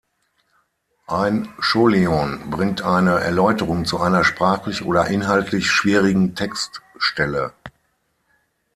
Ein Scholion bringt eine Erläuterung zu einer sprachlich oder inhaltlich schwierigen Textstelle.